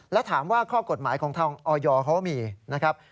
แล้วถามว่าข้อกฎหมายของทางออยเขามีนะครับ